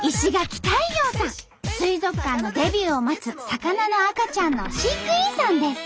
水族館のデビューを待つ魚の赤ちゃんの飼育員さんです。